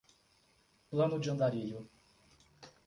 Plano de andarilho